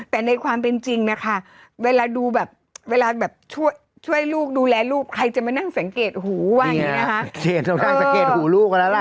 แต่ในความเป็นจริงนะคะเวลาดูแบบเวลาแบบช่วยลูกดูแลลูกใครจะมานั่งสังเกตหูว่าอย่างนี้นะคะ